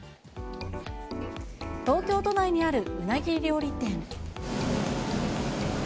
東京都内にあるうなぎ料理店。